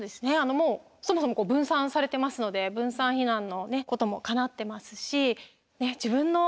もうそもそも分散されてますので分散避難のこともかなってますし自分の車でプライバシーも保たれますよね。